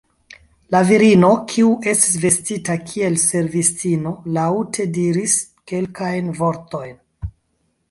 La virino, kiu estis vestita kiel servistino, laŭte diris kelkajn vortojn.